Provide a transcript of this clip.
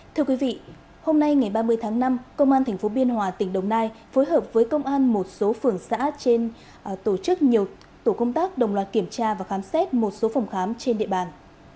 thưa quý vị hôm nay ngày ba mươi tháng năm công an tp biên hòa tỉnh đồng nai phối hợp với công an một số phường xã trên tổ chức nhiều tổ công tác đồng loạt kiểm tra và khám xét một số phòng khám trên địa bàn